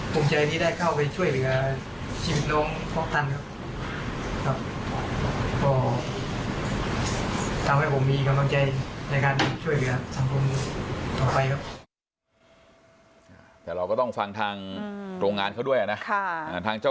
ภูมิใจที่ได้เข้าไปช่วยชีวิตน้องพบตันครับ